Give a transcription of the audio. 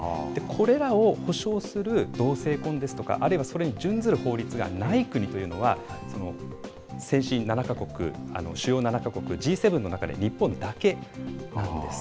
これらを保障する同性婚ですとか、あるいはそれに準ずる法律がない国というのは、先進７か国、主要７か国・Ｇ７の中で日本だけなんです。